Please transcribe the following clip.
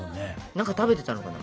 何か食べてたのかな？